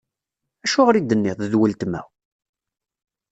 Acuɣer i d-tenniḍ: D weltma?